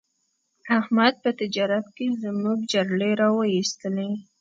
احمد په تجارت کې زموږ جرړې را و ایستلې.